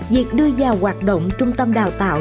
việc đưa vào hoạt động trung tâm đào tạo